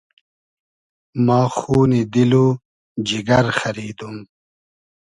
ما خونی دیل و جیگر خئریدوم